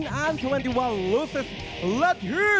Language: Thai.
สวัสดีครับทายุรัฐมวยไทยไฟตเตอร์